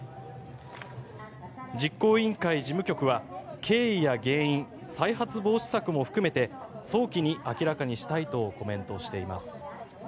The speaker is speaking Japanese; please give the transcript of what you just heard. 実行委員会事務局は経緯や原因、再発防止策も含めて早期に明らかにしたいとコメントしています。